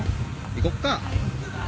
行こっか。